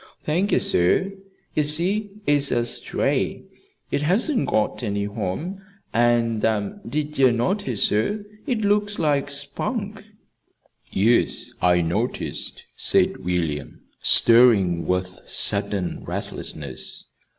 "Thank ye, sir. Ye see, it's a stray. It hasn't got any home. And, did ye notice, sir? it looks like Spunk." "Yes, I noticed," said William, stirring with sudden restlessness.